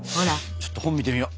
ちょっと本見てみよう。